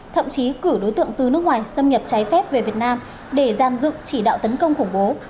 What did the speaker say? thậm chí cử đối tượng từ nước ngoài xâm nhập trái phép về việt nam để gian dựng chỉ đạo tấn công khủng bố